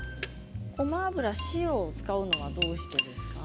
ごま油は白を使うのはどうしてですか？